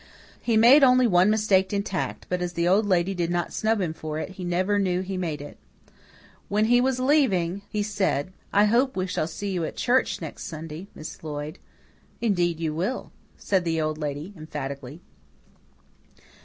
He made only one mistake in tact, but, as the Old Lady did not snub him for it, he never knew he made it. When he was leaving he said, "I hope we shall see you at church next Sunday, Miss Lloyd." "Indeed, you will," said the Old Lady emphatically.